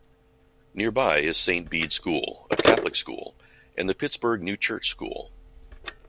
Nearby is Saint Bede School, a Catholic school, and the Pittsburgh New Church School.